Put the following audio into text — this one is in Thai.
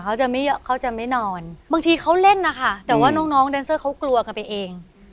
เขาจะไม่เขาจะไม่นอนบางทีเขาเล่นนะคะแต่ว่าน้องน้องแดนเซอร์เขากลัวกันไปเอง